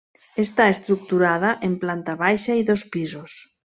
Està estructurada en planta baixa i dos pisos.